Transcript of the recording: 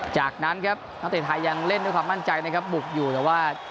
จากนั้นครับนักเตะไทยยังเล่นด้วยความมั่นใจนะครับบุกอยู่แต่ว่า